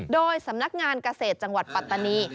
โดยสำนักงานเกษตรจังหวัดปัตตานี